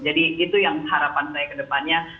jadi itu yang harapan saya kedepannya